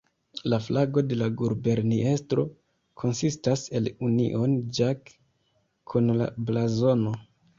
La flago de la guberniestro konsistas el Union Jack kun la blazono.